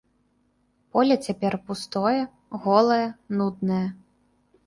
Поле цяпер пустое, голае, нуднае.